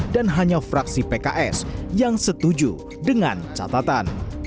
dan hanya fraksi pks yang setuju dengan catatan